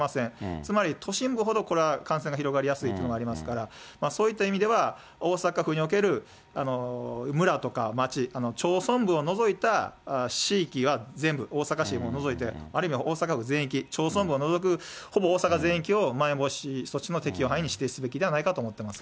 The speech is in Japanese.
つまり都心部ほど、これは感染が広がりやすいというのがありますから、そういった意味では、大阪府における、村とか町、町村部を除いた市域は全部、大阪市を除いて、ある意味、大阪府全域、町村部を除くほぼ大阪全域を、まん延防止措置の適用範囲に指定すべきではないかと思ってます。